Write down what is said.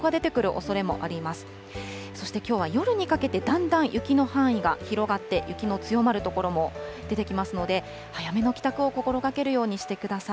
そしてきょうは夜にかけて、だんだん雪の範囲が広がって、雪の強まる所も出てきますので、早めの帰宅を心がけるようにしてください。